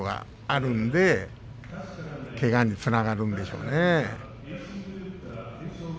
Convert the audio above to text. だからけがにつながるんでしょうね。